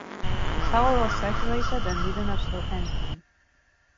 The towel was saturated and didn't absorb anything.